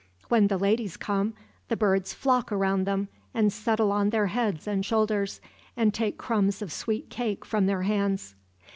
When the ladies come, the birds flock around them and settle on their heads and shoulders, and take crumbs of sweet cake from their hands.